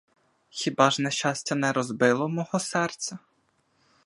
Хіба ж нещастя не розбило мого серця?